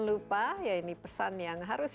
lupa ya ini pesan yang harus